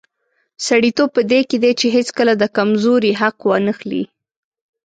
سړیتوب په دې کې دی چې هیڅکله د کمزوري حق وانخلي.